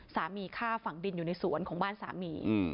สามีฆ่าฝั่งดินอยู่ในสวนของบ้านสามี